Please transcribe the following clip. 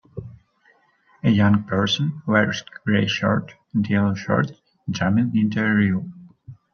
a young person wearing a gray shirt and yellow shorts jumping into a river.